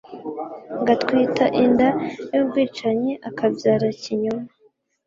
agatwita inda y’ubwicanyi akabyara ikinyoma